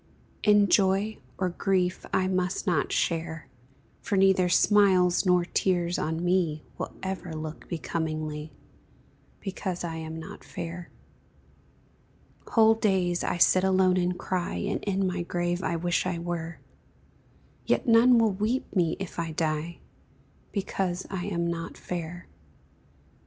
In joy or grief I must not share, For neither smiles nor tears on me Will ever look becomingly, Because I am not fair; Whole days I sit alone and cry, And in my grave I wish I were Yet none will weep me if I die, Because I am not fair.